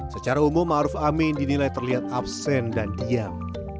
secara umum ma'ruf amin dinilai terlihat absen dan diam